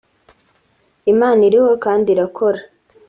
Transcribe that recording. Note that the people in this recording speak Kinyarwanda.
Imana iriho kandi irakora